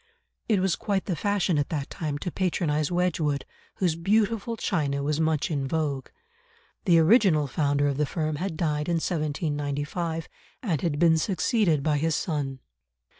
It was quite the fashion at that time to patronise Wedgwood, whose beautiful china was much in vogue. The original founder of the firm had died in 1795, and had been succeeded by his son.